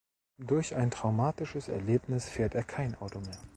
Durch ein traumatisches Erlebnis fährt er kein Auto mehr.